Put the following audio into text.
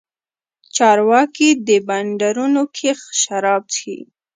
چارواکي په بنډارونو کښې شراب چښي.